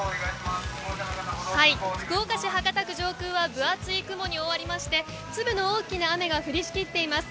福岡市博多区上空は分厚い雲に覆われまして粒の大きな雨が降りしきっています。